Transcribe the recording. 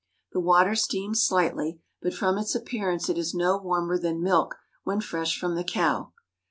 The water steams slightly, but from its appearance it is no warmer than milk when fresh from the cow.